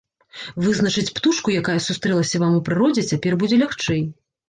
Вызначыць птушку, якая сустрэлася вам у прыродзе, цяпер будзе лягчэй.